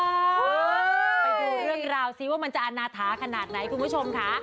ไปดูเรื่องราวซิว่ามันจะอาณาถาขนาดไหนคุณผู้ชมค่ะ